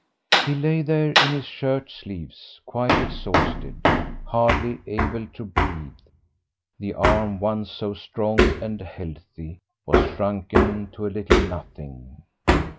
He lay there in his shirt sleeves quite exhausted, hardly able to breathe; the arm once so strong and healthy was shrunken to a little nothing.